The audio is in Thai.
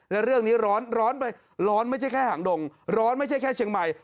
และเรื่องนี้ร้อนร้อนไปร้อนไม่ใช่แค่หางดงร้อนไม่ใช่แค่เชียงใหม่